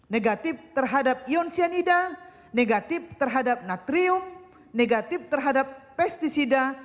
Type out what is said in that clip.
negatif terhadap ion cyanida negatif terhadap natrium negatif terhadap pesticida